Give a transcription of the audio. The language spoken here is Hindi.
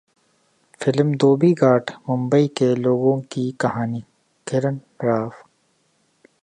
फिल्म धोबी घाट मुंबई के लोगों की कहानी: किरण राव